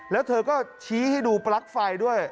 แล้วเธอก็ชี้ให้ดูปลั๊กไฟด้วย